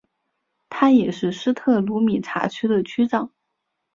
他也是斯特鲁米察区的区长。